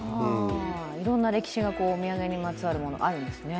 いろんな歴史がお土産にまつわるものあるんですね。